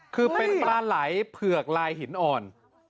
คือเป็นปลาไหล่เผือกลายหินอ่อน